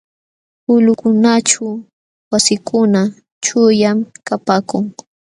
Ulqukunaćhu wasikuna chuqllam kapaakun.